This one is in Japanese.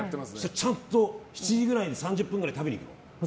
ちゃんと７時くらいに３０分くらいで食べに行く？